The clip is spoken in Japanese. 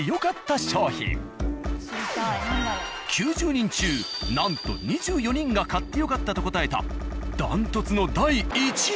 ９０人中なんと２４人が買ってよかったと答えたダントツの第１位は。